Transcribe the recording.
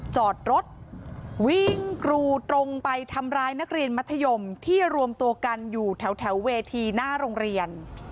จอดรถวิ่งกรูตรงไปทำร้ายนักเรียนมัธยมที่รวมตัวกันอยู่แถวเวทีหน้าโรงเรียน